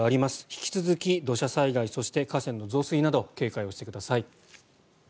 引き続き土砂災害、そして河川の増水など警戒をしてください。